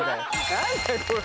何だよこれ。